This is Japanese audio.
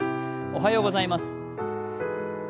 おはようございます。